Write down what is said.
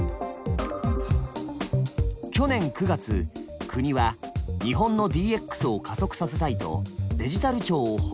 去年９月国は日本のＤＸを加速させたいと「デジタル庁」を発足。